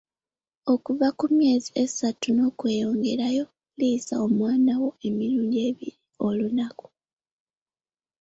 Okuva ku myezi esatu n'okweyongerayo, liisa omwana wo emirundi ebiri olunaku.